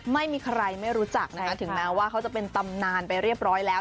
ไม่มีใครไม่รู้จักนะคะถึงแม้ว่าเขาจะเป็นตำนานไปเรียบร้อยแล้ว